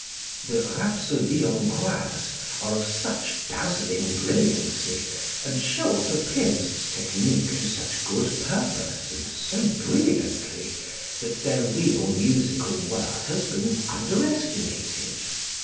The "Rhapsodies Hongroises" are of such dazzling brilliancy and show off a pianist's technique to such good purpose and so brilliantly, that their real musical worth has been under estimated.